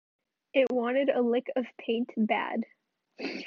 It wanted a lick of paint bad.